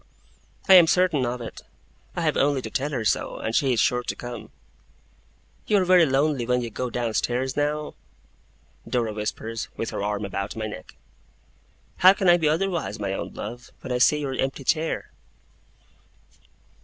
'I am certain of it. I have only to tell her so, and she is sure to come.' 'You are very lonely when you go downstairs, now?' Dora whispers, with her arm about my neck. 'How can I be otherwise, my own love, when I see your empty chair?